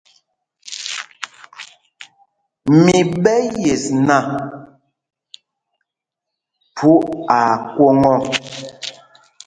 Mi ɓɛ̄ yes nak, phu aa kwoŋ ɔ.